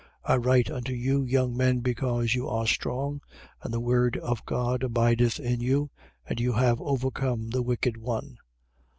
I write unto you, young men, because you are strong, and the word of God abideth in you, and you have overcome the wicked one.